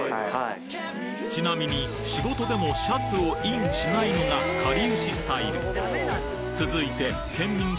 ちなみに仕事でもシャツをインしないのがかりゆしスタイル続いてケンミン